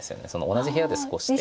同じ部屋で過ごして。